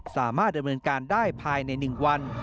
สามารถดำเนินการได้ภายใน๑วัน